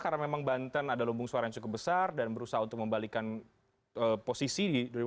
karena memang banten ada lumbung suara yang cukup besar dan berusaha untuk membalikan posisi di dua ribu empat belas